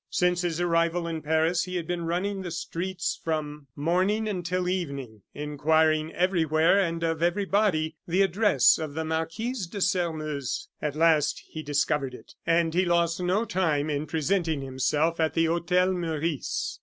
Since his arrival in Paris he had been running the streets from morning until evening, inquiring everywhere and of everybody the address of the Marquis de Sairmeuse. At last he discovered it; and he lost no time in presenting himself at the Hotel Meurice.